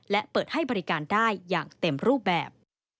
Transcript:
และเปิดให้บริการได้อย่างเต็มรูปแบบ